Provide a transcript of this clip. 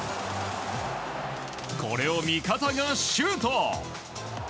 これを味方がシュート！